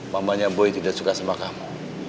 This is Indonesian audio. mamanya boy tidak suka sama kamu